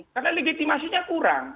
karena legitimasinya kurang